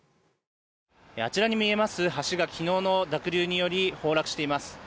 あちらに見えます橋が昨日の濁流により崩落しています。